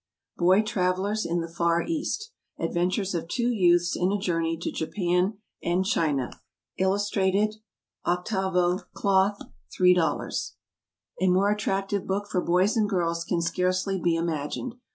Boy Travellers in the Far East. ADVENTURES OF TWO YOUTHS IN A JOURNEY TO JAPAN AND CHINA. Illustrated, 8vo, Cloth, $3.00. A more attractive book for boys and girls can scarcely be imagined.